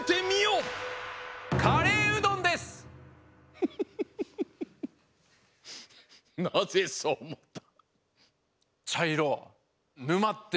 フフフフなぜそうおもった？